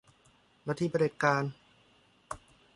ลัทธิเผด็จการ